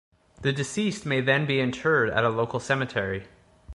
The deceased may then be interred at a local cemetery.